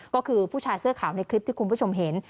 ก็คือผู้ชายเสื้อขาวในคลิปที่คุณผู้ชมเห็น